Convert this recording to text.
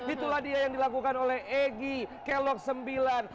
itulah dia yang dilakukan oleh egy kelok sembilan